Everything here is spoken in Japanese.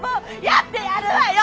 やってやるわよ！